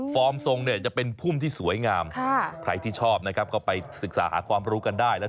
ฟอร์มทรงจะเป็นพุ่มที่สวยงามใครที่ชอบก็ไปศึกษาหาความรู้กันได้